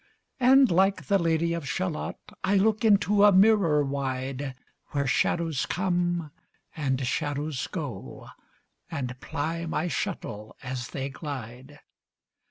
And like the Lady of Shalott I look into a mirror wide, Where shadows come, and shadows go, And ply my shuttle as they glide.